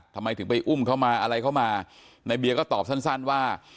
ทำไมถึงไปอุ้มเขามาอะไรเข้ามาในเบียร์ก็ตอบสั้นว่า